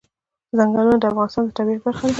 ځنګلونه د افغانستان د طبیعت برخه ده.